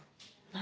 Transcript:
何？